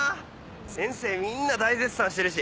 先生みんな大絶賛してるし。